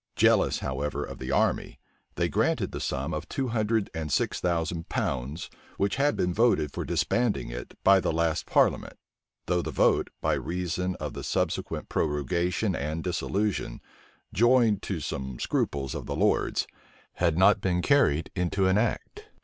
Jealous, however, of the army, they granted the sum of two hundred and six thousand pounds, which had been voted for disbanding it by the last parliament; though the vote, by reason of the subsequent prorogation and dissolution, joined to some scruples of the lords, had not been carried into an act.